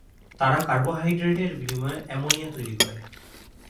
তারা কার্বোহাইড্রেট এর বিনিময়ে অ্যামোনিয়া তৈরি করে।